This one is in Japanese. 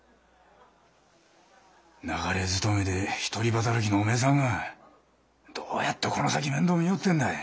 流れづとめで一人働きのお前さんがどうやってこの先面倒見ようってんだい？